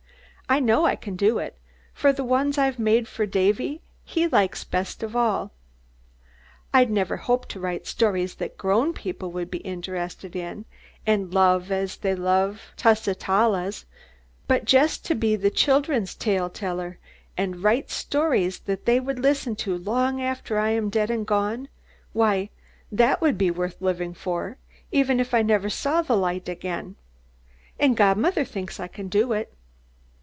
I know I can do it, for the ones I've made for Davy he likes best of all. I'd never hope to write stories that grown people would be interested in, and love as they love Tusitala's, but just to be the children's 'tale teller,' and to write stories that they would listen to long after I am dead and gone why that would be worth living for, even if I never saw the light again. And godmother thinks I can do it."